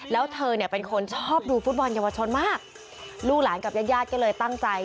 แล้วเธอเนี่ยเป็นคนชอบดูฟุตบอลเยาวชนมากลูกหลานกับญาติญาติก็เลยตั้งใจ